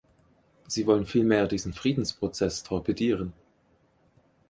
Sie wollen vielmehr diesen Friedensprozess torpedieren.